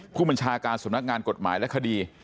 ผู้บัญชาการสำนักงานกฎหมายและคดี